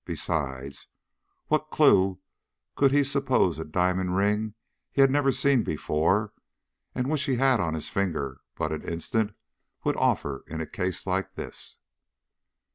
Besides, what clue could he suppose a diamond ring he had never seen before, and which he had had on his finger but an instant, would offer in a case like this?"